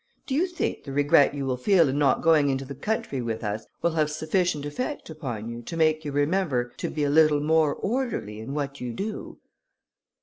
Do you think the regret you will feel in not going into the country with us, will have sufficient effect upon you, to make you remember to be a little more orderly in what you do?"